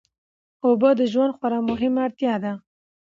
اوبه د ژوند خورا مهمه اړتیا ده.